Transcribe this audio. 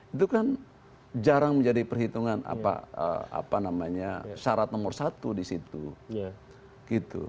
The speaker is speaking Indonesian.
itu kan jarang menjadi perhitungan apa namanya syarat nomor satu di situ